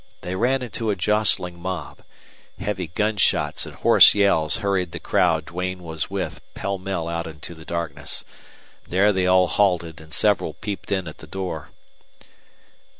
They ran into a jostling mob. Heavy gun shots and hoarse yells hurried the crowd Duane was with pell mell out into the darkness. There they all halted, and several peeped in at the door.